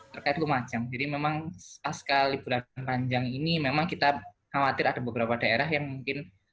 terkait lumajang jadi memang pasca liburan panjang ini memang kita khawatir ada beberapa daerah yang mungkin